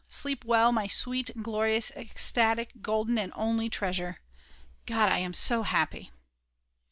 Sleep well, my sweet glorious ecstatic golden and only treasure! God, I am so happy.